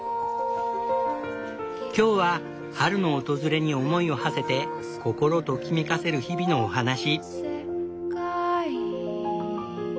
今日は春の訪れに思いをはせて心ときめかせる日々のお話。